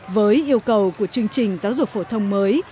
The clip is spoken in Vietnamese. với yêu cầu của chương trình giáo dục phổ thông mới